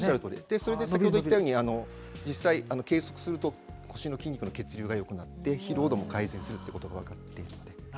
それで先ほど言ったように実際計測すると腰の筋肉の血流が良くなって疲労度も改善するってことが分かっているので。